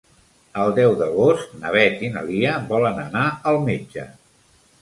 El deu d'agost na Beth i na Lia volen anar al metge.